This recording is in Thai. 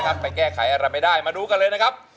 มาดูกันเลยนะครับ